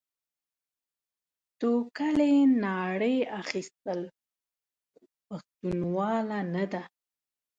توکلې ناړې اخيستل؛ پښتنواله نه ده.